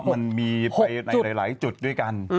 อะไรหลายจุดด้วยกัน